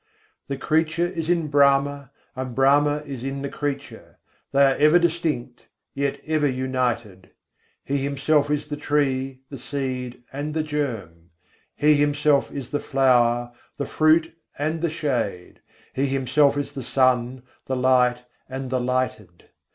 The creature is in Brahma, and Brahma is in the creature: they are ever distinct, yet ever united. He Himself is the tree, the seed, and the germ. He Himself is the flower, the fruit, and the shade. He Himself is the sun, the light, and the lighted.